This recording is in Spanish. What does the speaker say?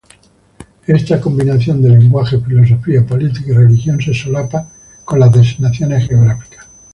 Esta combinación de lenguaje, filosofía política y religión se solapa con las designaciones geográficas.